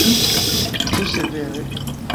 Ĉu severe?